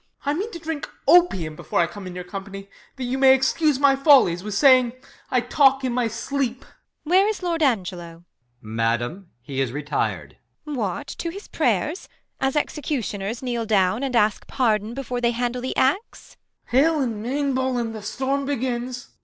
Ben. I mean to drink THE LAW AGAINST LOVERS. 135 Opium before I come in your company, That you may excuse my follies, With saying, I talk in my sleep. Beat. AVhere is Lord Angelo ] EscH. Madam, he is retir'd. Beat. What, to his prayers. As executioners kneel down and ask pardon Before they handle the axe ] Ben. Hale in Main Bolin ! the storm begins